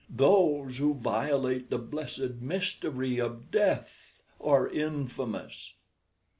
Those who violate the blessed mystery of death are infamous."